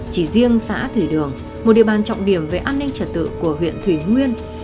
chỉ riêng xã thủy đường một địa bàn trọng điểm về an ninh trật tự của huyện thủy nguyên